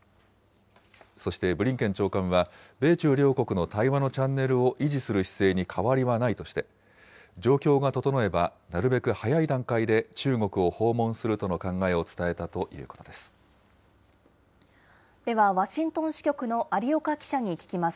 そして、ブリンケン長官は、米中両国の対話のチャンネルを維持する姿勢に変わりはないとして、状況が整えば、なるべく早い段階で中国を訪問するとの考えを伝えたということででは、ワシントン支局の有岡記者に聞きます。